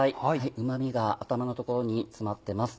うま味が頭の所に詰まっています。